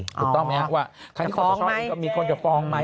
ถูกต้องไหมครับว่าใครที่เขาจะชอบก็มีคนจะฟองไหม